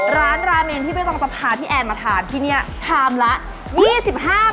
ร้านลาเมนที่บฏมฝ่าพี่แอนมาทานที่นี่ชามละ๒๕บาท